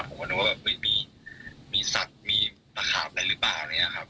ผมก็นึกว่ามีด้วยสัตว์มีตะขาบอะไรหรือเปล่านี้ครับ